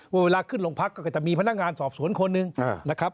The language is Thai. เวลาขึ้นลงพักก็จะมีพนักงานสอบสวนคนหนึ่งนะครับ